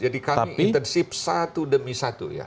jadi kami intensif satu demi satu ya